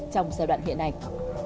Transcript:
trong giai đoạn hiện ảnh